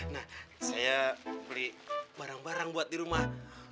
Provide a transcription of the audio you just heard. nah saya beli barang barang buat di rumah